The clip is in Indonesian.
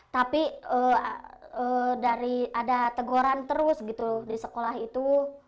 tapi dari ada teguran terus gitu di sekolah itu